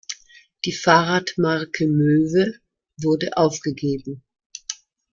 Die Fahrradmarke "Möve" wurde aufgegeben.